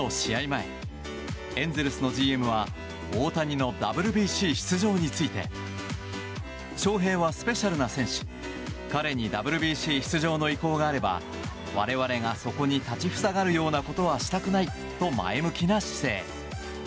前エンゼルスのＧＭは大谷のＷＢＣ出場について翔平はスペシャルな選手彼にＷＢＣ出場の意向があれば我々がそこに立ち塞がるようなことはしたくないと前向きな姿勢。